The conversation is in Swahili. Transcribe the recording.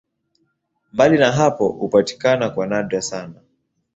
Mbali na hapo hupatikana kwa nadra sana.